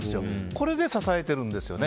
これで支えてるんですよね。